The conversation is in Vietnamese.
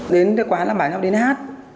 đến quán là bảo nhau đến hát